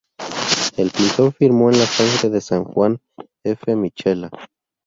El pintor firmó en la sangre de San Juan: "f michela...".